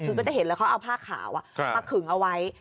คือก็จะเห็นเลยเขาเอาผ้าขาวมาขึงเอาไว้